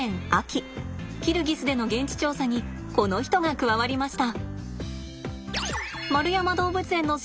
キルギスでの現地調査にこの人が加わりました。